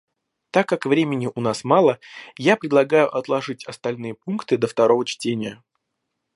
Так как времени у нас мало, я предлагаю отложить остальные пункты до второго чтения.